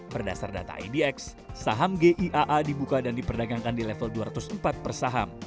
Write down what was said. berdasar data idx saham giaan dibuka dan diperdagangkan di level dua ratus empat persaham